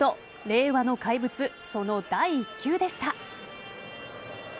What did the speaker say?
令和の怪物、その第１球でした。